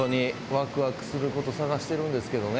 ワクワクする事探してるんですけどね。